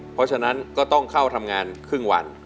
เพราะฉะนั้นก็ต้องเข้าทำงานครึ่งวัน